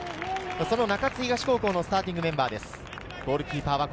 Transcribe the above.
中津東高校のスターティングメンバーです。